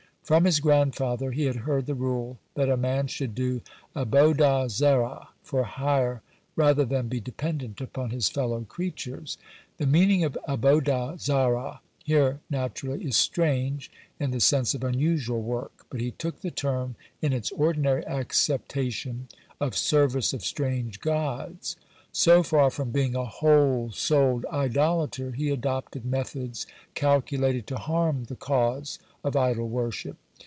From his grandfather he had heard the rule that a man should do "Abodah Zarah" for hire rather than be dependent upon his fellow creatures. The meaning of "Abodah Zarah" here naturally is "strange," in the sense of "unusual" work, but he took the term in its ordinary acceptation of "service of strange gods." (132) So far from being a whole souled idolater, he adopted methods calculated to harm the cause of idol worship.